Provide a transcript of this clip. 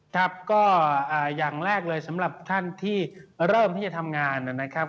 ครับก็อย่างแรกเลยสำหรับท่านที่เริ่มที่จะทำงานนะครับ